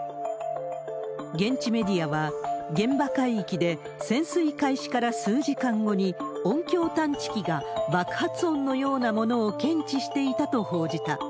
現地メディアは、現場海域で潜水開始から数時間後に、音響探知機が爆発音のようなものを検知していたと報じた。